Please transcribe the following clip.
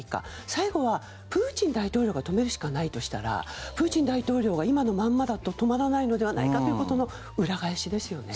最後はプーチン大統領が止めるしかないとしたらプーチン大統領が今のままだと止まらないのではないかということの裏返しですよね。